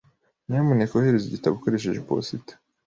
Nyamuneka ohereza igitabo ukoresheje posita.